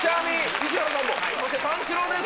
石原さんもそして三四郎です。